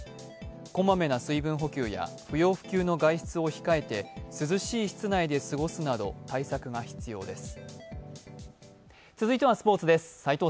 小まめな水分補給や不要不急の外出を控えて、涼しい室内で過ごすなど対策が必要です。